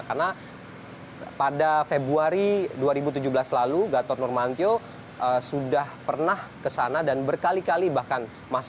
karena pada februari dua ribu tujuh belas lalu gatot nurmantio sudah pernah ke sana dan berkali kali bahkan